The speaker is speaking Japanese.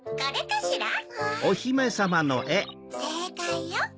せいかいよ。